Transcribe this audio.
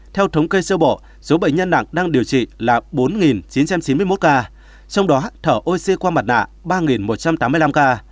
theo thống kê sơ bộ số bệnh nhân nặng đang điều trị là bốn chín trăm chín mươi một ca trong đó thở oxy qua mặt nạ ba một trăm tám mươi năm ca